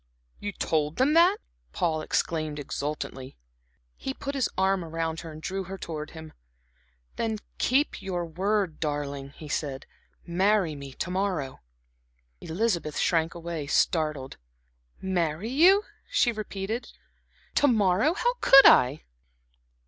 "You told them that?" Paul exclaimed exultantly. He put his arm around her and drew her towards him. "Then keep your word, darling," he said. "Marry me to morrow." Elizabeth shrank away, startled. "Marry you," she repeated. "To morrow, how could I?"